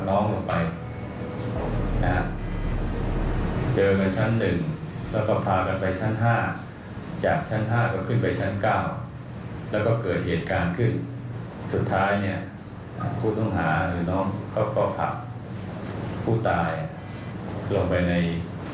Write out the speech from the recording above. ลงไปในศาสตร์อย่างนั้นที่ชั้นลอย